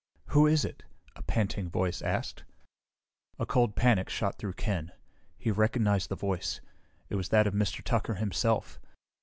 "Who is it?" a panting voice asked. A cold panic shot through Ken. He recognized the voice. It was that of Mr. Tucker himself.